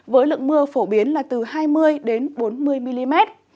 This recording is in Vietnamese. với lượng mưa phổ biến là từ hai mươi bốn mươi mm